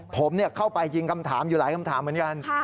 ผมเข้าไปยิงคำถามอยู่หลายคำถามเหมือนกัน